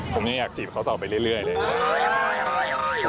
ผมยังอยากจีบเขาต่อไปเรื่อยเลย